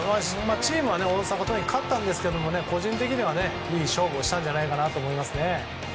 チームは大阪桐蔭、勝ったんですけど個人的には、いい勝負をしたんじゃないかなと思いますね。